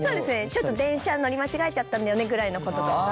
ちょっと電車乗り間違えちゃったんだよねぐらいのこととか。